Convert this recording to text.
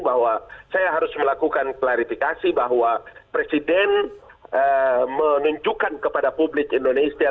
bahwa saya harus melakukan klarifikasi bahwa presiden menunjukkan kepada publik indonesia